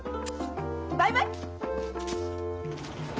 バイバイ！